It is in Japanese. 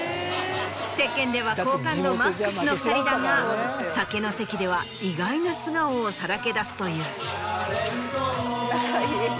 世間では好感度 ＭＡＸ の２人だが酒の席では意外な素顔をさらけ出すという。